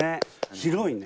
広いね！